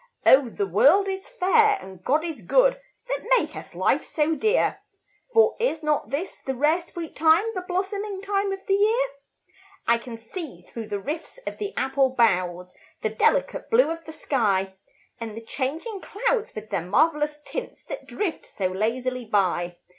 Oh, the world is fair, and God is good, That maketh life so dear; For is not this the rare, sweet time, The blossoming time of the year? I can see, through the rifts of the apple boughs, The delicate blue of the sky, And the changing clouds with their marvellous tints That drift so lazily by.